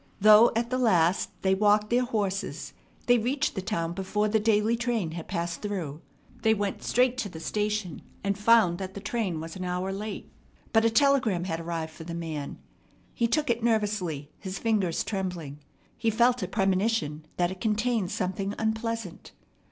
Though at the last they walked their horses, they reached the town before the daily train had passed through. They went straight to the station, and found that the train was an hour late; but a telegram had arrived for the man. He took it nervously, his fingers trembling. He felt a premonition that it contained something unpleasant.